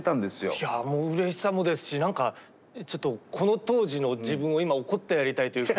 いやもううれしさもですし何かちょっとこの当時の自分を今怒ってやりたいというか。